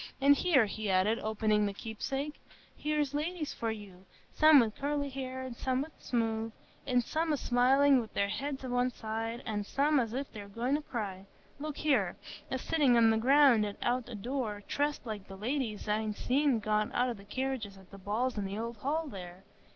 An' here," he added, opening the "Keepsake,"—"here's ladies for you, some wi' curly hair and some wi' smooth, an' some a smiling wi' their heads o' one side, an' some as if they were goin' to cry,—look here,—a sittin' on the ground out o' door, dressed like the ladies I'n seen get out o' the carriages at the balls in th' Old Hall there.